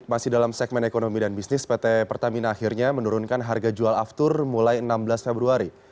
masih dalam segmen ekonomi dan bisnis pt pertamina akhirnya menurunkan harga jual aftur mulai enam belas februari